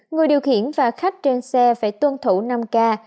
người điều khiển và khách trên xe phải tuân thủ năm k